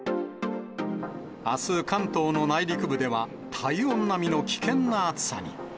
あす関東の内陸部では、体温並みの危険な暑さに。